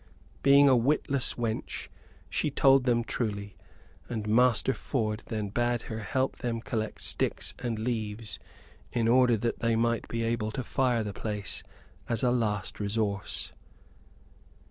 Being a witless wench, she told them truly, and Master Ford then bade her help them collect sticks and leaves in order that they might be able to fire the place as a last resource.